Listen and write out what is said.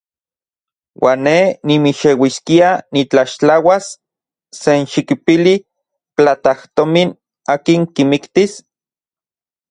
¿Uan ne nimixeuiskia nitlaxtlauas senxikipili platajtomin akin kimiktis?